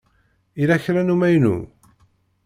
Yella kra n umaynu?